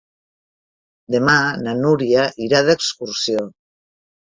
Demà na Núria irà d'excursió.